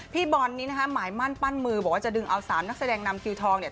พี่บอลนี้นะคะหมายมั่นปั้นมือบอกว่าจะดึงเอา๓นักแสดงนำคิวทองเนี่ย